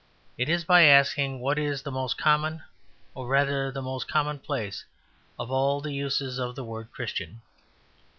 It is by asking what is the most common, or rather the most commonplace, of all the uses of the word "Christian."